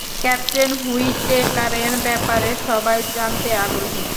Captain হুইটেকারের ব্যাপারে সবাই জানতে আগ্রহী।